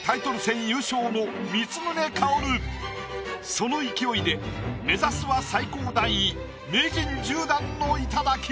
その勢いで目指すは最高段位名人１０段の頂。